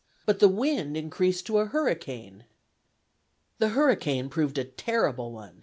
But the wind increased to a hurricane." The hurricane proved a terrible one.